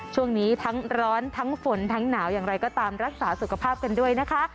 ช่วงนี้ทั้งร้อนทั้งฝนทั้งหนาวอย่างไรก็ตามรักษาสุขภาพกันด้วยนะคะ